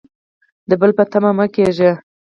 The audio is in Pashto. د بل په تمه مه کیږئ